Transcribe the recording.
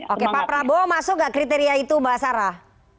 oke pak prabowo masuk nggak kriteria itu mbak sarah